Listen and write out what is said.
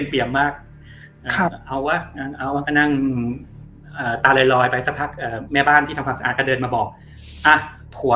ผมหัวแกมาแล้ว